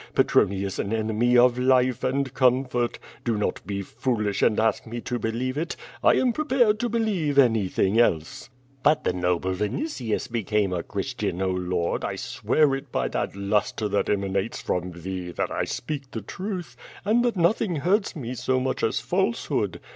Petronius an enemy of life and comfori;? Do not be foolish and ask me to believe it. I am prepared to believe anything else." "But the noble Vinitius became a Christian, Oh Lord, I swear it by that lustre that emanates from thee that I speak the truth, and that nothing hurts me so much as falsehood.